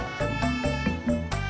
ani pergi kerja bang